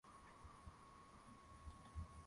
ya kunifanya mi kulia